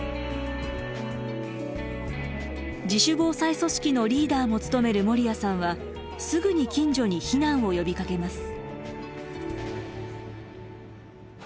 自主防災組織のリーダーも務める守屋さんはすぐに近所に避難を呼びかけます。